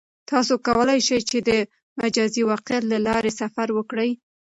تاسو کولای شئ چې د مجازی واقعیت له لارې سفر وکړئ.